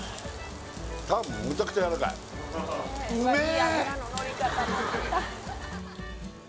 タンむちゃくちゃやわらかいうめえ！